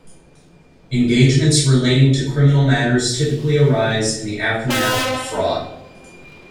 Engagements relating to criminal matters typically arise in the aftermath of fraud.